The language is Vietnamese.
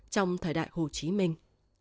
trong thời đại hồ chí minh